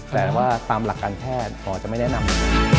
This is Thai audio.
แต่ว่าตามหลักการแพทย์หมอจะไม่แนะนำ